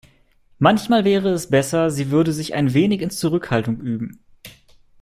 Manchmal wäre es besser, sie würde sich ein wenig in Zurückhaltung üben.